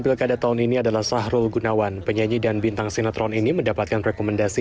pilkada tahun ini adalah sahrul gunawan penyanyi dan bintang sinetron ini mendapatkan rekomendasi